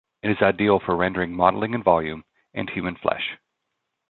It is ideal for rendering modeling and volume, and human flesh.